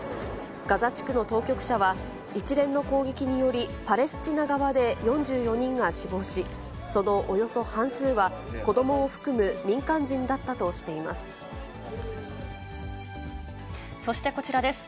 ガザ地区の当局者は、一連の攻撃により、パレスチナ側で４４人が死亡し、そのおよそ半数は、子どもを含むそして、こちらです。